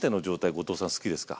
後藤さん好きですか？